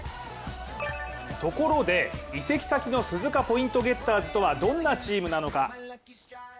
ところで、移籍先の鈴鹿ポイントゲッターズとはどんなチームなのか。